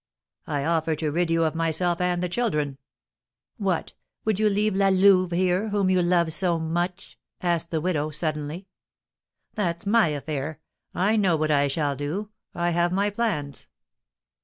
"I offer to rid you of myself and the children." "What! Would you leave La Louve here, whom you love so much?" asked the widow, suddenly. "That's my affair. I know what I shall do. I have my plans."